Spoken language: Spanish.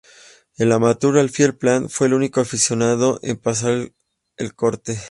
El amateur Alfie Plant fue el único aficionado en pasar el corte.